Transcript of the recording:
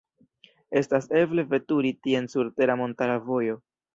Estas eble veturi tien sur tera montara vojo.